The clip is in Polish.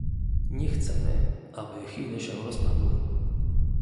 Nie chcemy, aby Chiny się rozpadły